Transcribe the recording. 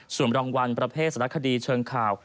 ส่วนรางวัลประเภทสารคดีเชิงข่าว